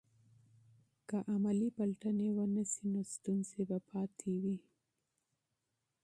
که عملي پلټنې ونه سي نو ستونزې به پاتې وي.